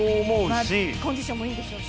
コンディションもいいんでしょう。